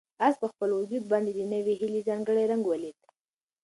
آس په خپل وجود باندې د نوې هیلې ځانګړی رنګ ولید.